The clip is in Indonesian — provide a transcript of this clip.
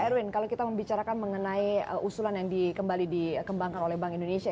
erwin kalau kita membicarakan mengenai usulan yang kembali dikembangkan oleh bank indonesia